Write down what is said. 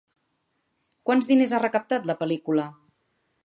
Quants diners ha recaptat la pel·lícula?